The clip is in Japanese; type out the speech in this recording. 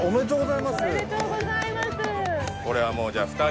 おめでとうございます